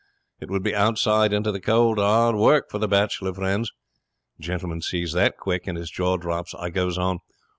It would be outside into the cold, hard world for the bachelor friends. Gentleman sees that quick, and his jaw drops. I goes on.